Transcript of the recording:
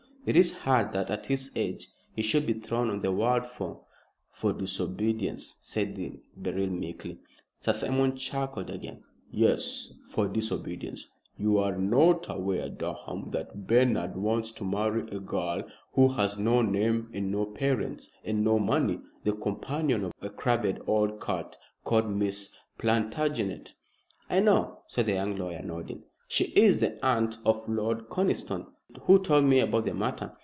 It is hard that, at his age, he should be thrown on the world for " "For disobedience," put in Beryl, meekly. Sir Simon chuckled again. "Yes, for disobedience. You are not aware, Durham, that Bernard wants to marry a girl who has no name and no parents, and no money the companion of a crabbed old cat called Miss Plantagenet." "I know," said the young lawyer, nodding. "She is the aunt of Lord Conniston, who told me about the matter."